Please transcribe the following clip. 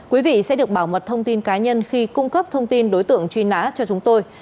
quý vị sẽ được bảo mật thông tin cá nhân khi cung cấp thông tin đối tượng truy nã cho chúng tôi